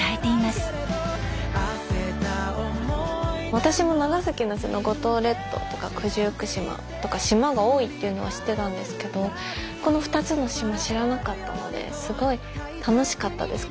私も長崎の五島列島とか九十九島とか島が多いっていうのは知ってたんですけどこの２つの島知らなかったのですごい楽しかったです